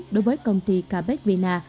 đối với công ty kabeck vina